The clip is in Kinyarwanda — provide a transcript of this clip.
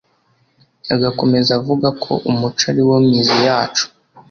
Agakomeza avuga ko umuco ariwo mizi yacu